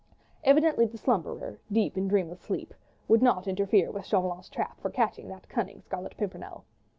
Evidently the slumberer, deep in dreamless sleep, would not interfere with Chauvelin's trap for catching that cunning Scarlet Pimpernel.